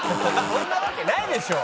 そんなわけないでしょ！